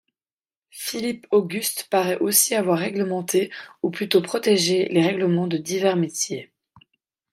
Philippe Auguste paraît aussi avoir réglementé ou plutôt protégé les règlements de divers métiers.